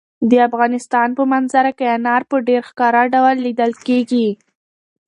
د افغانستان په منظره کې انار په ډېر ښکاره ډول لیدل کېږي.